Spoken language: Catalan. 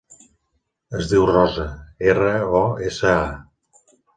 Es diu Rosa: erra, o, essa, a.